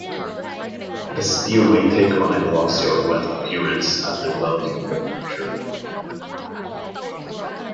The steel may take on a glossy or wet appearance at the welding temperature.